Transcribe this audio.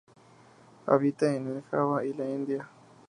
Habita en Java y la India.